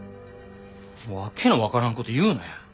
訳の分からんこと言うなや。